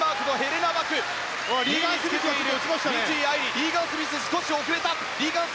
リーガン・スミス、少し遅れた。